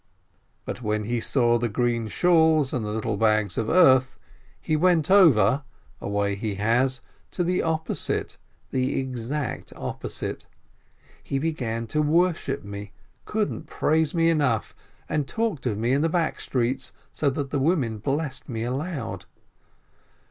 But when he saw the green shawls and the little bags of earth, he went over — a way he has — to the opposite, the exact opposite. He began to worship me, couldn't praise me enough, and talked of me in the back streets, so that the women blessed me aloud.